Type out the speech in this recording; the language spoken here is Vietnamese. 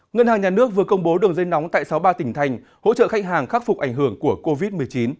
ngân hàng nhà nước vừa công bố đường dây nóng tại sáu mươi ba tỉnh thành hỗ trợ khách hàng khắc phục ảnh hưởng của covid một mươi chín